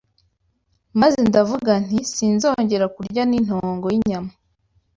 maze ndavuga nti, “Sinzongera kurya n’intongo y’inyama